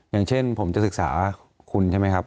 อย่างเช่นผมจะศึกษาคุณใช่ไหมครับ